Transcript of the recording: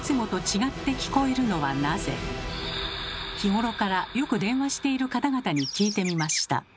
日頃からよく電話している方々に聞いてみました。